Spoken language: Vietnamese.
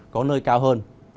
có nơi cao hơn